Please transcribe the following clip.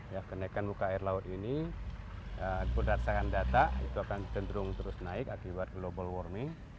ya kenaikan muka air laut ini berdasarkan data itu akan cenderung terus naik akibat global warming